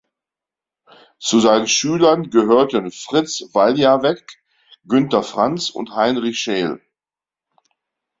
Zu seinen Schülern gehörten Fritz Valjavec, Günther Franz und Heinrich Scheel.